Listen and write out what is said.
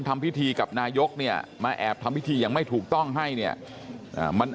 ทำพิธีกับนายกเนี่ยมาแอบทำพิธีอย่างไม่ถูกต้องให้เนี่ยมัน